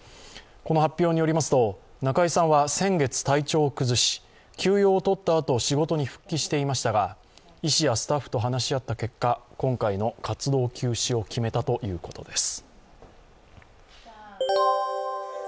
この発表によりますと、中居さんは先月体調を崩し、休養を取ったあと、仕事に復帰していましたが医師やスタッフと話し合った結果、今回の活動休止を決めたということです。